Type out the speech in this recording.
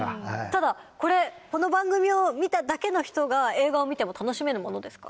ただこの番組を見ただけの人が映画を見ても楽しめるものですか。